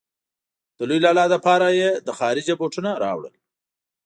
د لوی لالا لپاره به يې له خارجه بوټونه راوړل.